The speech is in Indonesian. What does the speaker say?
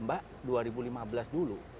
mbak dua ribu lima belas dulu